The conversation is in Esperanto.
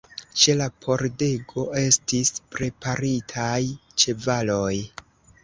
Ĉe la pordego estis preparitaj ĉevaloj.